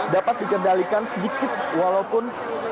dapat dikendalikan sedikit walaupun